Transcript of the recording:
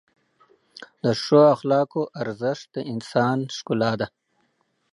د ښو اخلاقو ارزښت د انسان ښکلا ده.